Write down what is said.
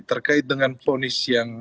terkait dengan fonis yang